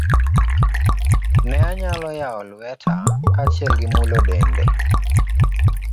Ne anyalo yawo lweta kaachiel gi mulo dende.